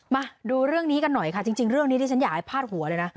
มาดูเรื่องนี้กันหน่อยค่ะจริงเรื่องนี้ที่ฉันอยากให้พาดหัวเลยนะ